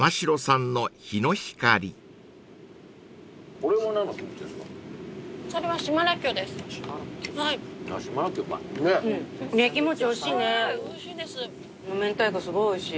この明太子すごいおいしい。